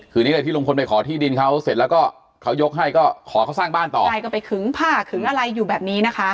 คือนี้เลยที่ลุงพลไปขอที่ดินเขาเสร็จแล้วก็เขายกให้ก็ขอเขาสร้างบ้านต่อใช่ก็ไปขึงผ้าขึงอะไรอยู่แบบนี้นะคะ